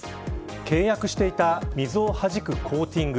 契約していた水をはじくコーティング